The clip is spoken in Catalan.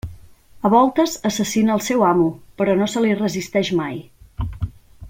A voltes assassina el seu amo, però no se li resisteix mai.